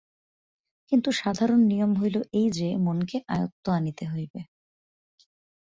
কিন্তু সাধারণ নিয়ম হইল এই যে, মনকে আয়ত্তে আনিতে হইবে।